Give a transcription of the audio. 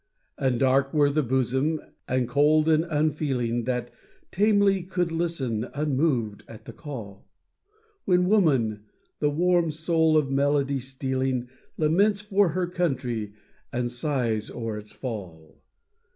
And dark were the bosom, and cold and unfeeling, That tamely could listen unmoved at the call, When woman, the warm soul of melody stealing, Laments for her country and sighs o'er its fall.